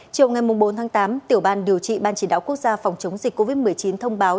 chiều ngày bốn tháng tám tiểu ban điều trị ban chỉ đạo quốc gia phòng chống dịch covid một mươi chín thông báo